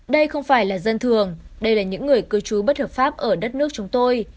đây không phải là dân thường đây là những người cư trú bất hợp pháp ở đất nước chúng tôi